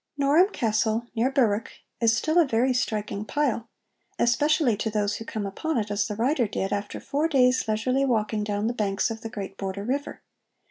Norham Castle, near Berwick, is still a very striking pile, especially to those who come upon it, as the writer did, after four days leisurely walking down the banks of the great border river.